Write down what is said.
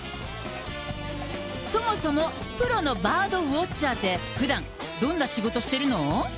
そもそもプロのバードウォッチャーって、ふだん、どんな仕事してるの？